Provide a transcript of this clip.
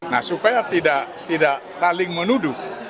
nah supaya tidak saling menuduh